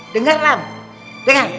dengar lam dengar